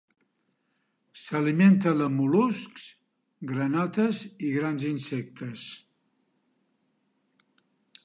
S'alimenta de mol·luscs, granotes i grans insectes.